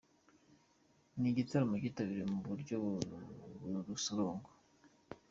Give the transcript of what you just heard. Ni igitaramo cyitabiriwe mu buryo bw’urusorongo.